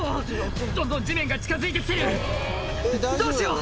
「どんどん地面が近づいて来てるどうしよう」